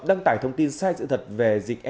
đăng tải thông tin sai sự thật về dịch